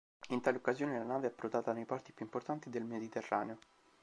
In tale occasione la nave è approdata nei porti più importanti del Mediterraneo.